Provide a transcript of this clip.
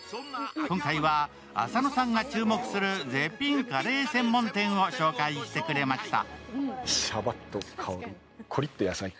今回は、浅野さんが注目する絶品カレー専門店を紹介してくれました。